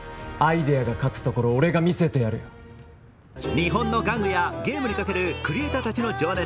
日本の玩具やゲームにかけるクリエイターたちの情熱。